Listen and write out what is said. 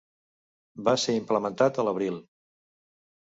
Va ser implementat a l'abril.